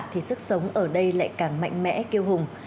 thì sức sống ở đây lại càng mạnh mẽ kêu hùng